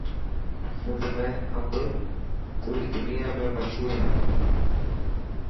سنڌ ۾ امب پوري دنيا ۾ مشهور هي.